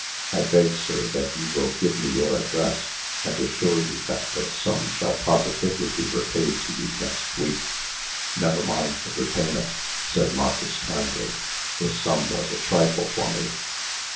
I beg, sir, that you will give me your address, and assure you that the sum shall positively be repaid to you next week." "Never mind the repayment," said Marcus, kindly. "The sum was a trifle for me."